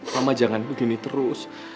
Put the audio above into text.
mama jangan begini terus